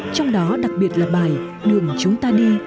trong đó đặc biệt là bài đường chúng ta đi